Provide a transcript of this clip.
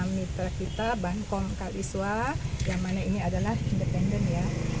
mitra kita bangkok kaliswa yang mana ini adalah independen ya